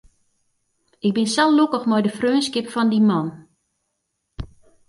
Ik bin sa lokkich mei de freonskip fan dy man.